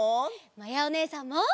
まやおねえさんも！